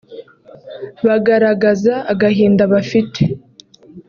bagaragaza agahinda bafite